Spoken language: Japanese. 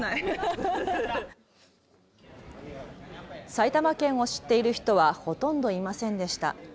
埼玉県を知っている人はほとんどいませんでした。